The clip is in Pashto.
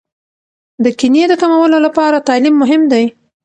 د کینې د کمولو لپاره تعلیم مهم دی.